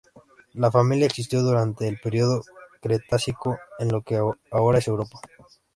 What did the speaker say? La familia existió durante el período Cretácico en lo que ahora es Europa.